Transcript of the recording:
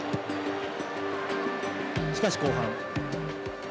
しかし、後半。